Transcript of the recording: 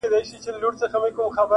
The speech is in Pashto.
پر هوسۍ سترګو چي رنګ د کجل راسي٫